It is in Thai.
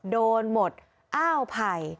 โดนหมดอ้าวไผ่